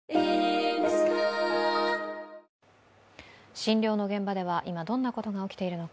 診療の現場では今どんなことが起きているのか。